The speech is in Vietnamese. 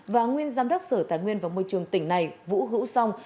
và nguyên giám đốc sở tài nguyên và môi trường tỉnh này vũ hữu song